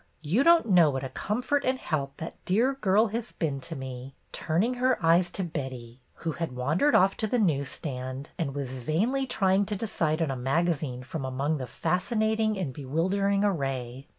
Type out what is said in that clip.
You don't know what a comfort and help that dear girl has been to me," turning her eyes to Betty, who had wandered off to the news stand and was vainly trying to decide on a magazine from among the fascinating and bewildering array.